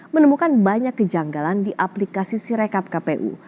menemukan banyak kejanggalan di aplikasi sirekap kpu